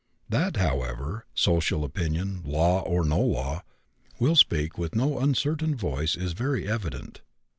That, however, social opinion law or no law will speak with no uncertain voice is very evident.